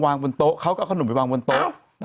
กันชาอยู่ในนี้